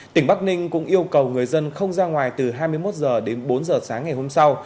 tỉnh bắc ninh cũng yêu cầu người dân không ra ngoài từ hai mươi một h đến bốn h sáng ngày hôm sau